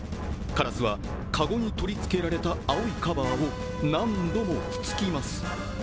カラスはかごに取り付けられた青いカバーを何度も突きます。